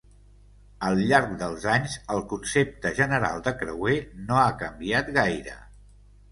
Al llarg dels anys, el concepte general de creuer no ha canviat gaire.